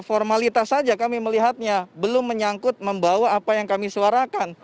formalitas saja kami melihatnya belum menyangkut membawa apa yang kami suarakan